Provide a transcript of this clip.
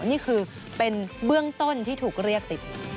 นี่คือเป็นเบื้องต้นที่ถูกเรียกติด